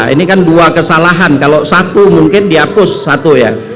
ini kan dua kesalahan kalau satu mungkin dihapus satu ya